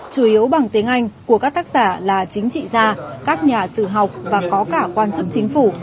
chủ yếu bằng tiếng anh của các tác giả là chính trị gia các nhà sử học và có cả quan chức chính phủ